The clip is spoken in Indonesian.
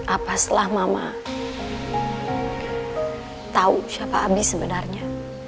apa setelah mama tahu siapa abi sebenarnya